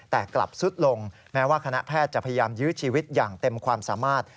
แต่กลับสุดลงแม้ว่าคณะแพทย์จะพยายามยื้อชีวิตอย่างเต็มความสามารถ